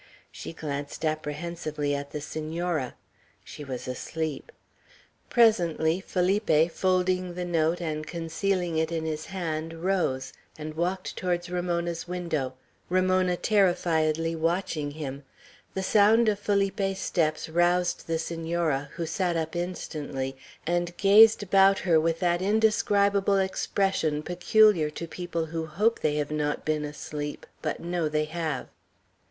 She glanced apprehensively at the Senora. She was asleep. Presently Felipe, folding the note, and concealing it in his hand, rose, and walked towards Ramona's window, Ramona terrifiedly watching him; the sound of Felipe's steps roused the Senora, who sat up instantly, and gazed about her with that indescribable expression peculiar to people who hope they have not been asleep, but know they have.